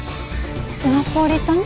ナポリタン？